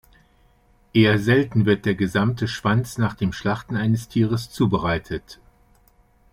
Eher selten wird der gesamte Schwanz nach dem Schlachten eines Tieres zubereitet.